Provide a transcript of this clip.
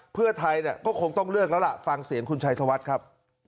เพื่อไทยก็คงต้องเลือกแล้วล่ะฟังเสียงคุณชัยธวัฒน์ครับ